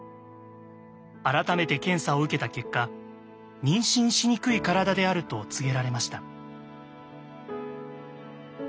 改めて検査を受けた結果妊娠しにくい体であると告げられました。